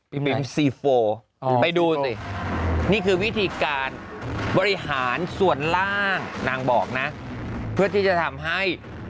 มิ้นซีโฟไปดูสินี่คือวิธีการบริหารส่วนล่างนางบอกนะเพื่อที่จะทำให้